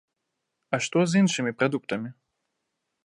А што з іншымі прадуктамі?